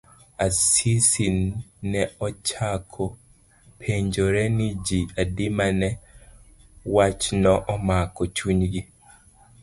Asisi ne ochako penjore ni ji adi mane wachno omako chunygi.